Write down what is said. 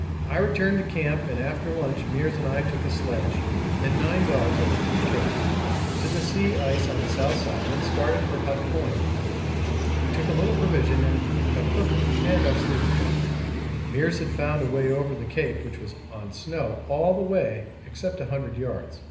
I returned to camp, and after lunch Meares and I took a sledge and nine dogs over the Cape to the sea ice on the south side and started for Hut Point. We took a little provision and a cooker and our sleeping bags. Meares had found a way over the Cape which was on snow all the way except about 100 yards.